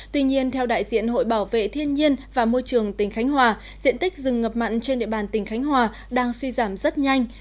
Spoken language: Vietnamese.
tuy nhiên theo đại diện hội bảo vệ thiên nhiên và môi trường tỉnh khánh hòa diện tích rừng ngập mặn trên địa bàn tỉnh khánh hòa đang suy giảm rất nhanh